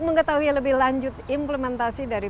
mengetahui lebih lanjut implementasi dari